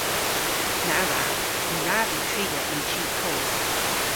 Na wrav. Ny wrav vy triga yn chi koth.